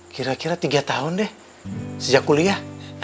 kira kira tiga tahun deh sejak kuliah